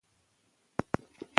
موږ هغه یو چې تل یې کوو.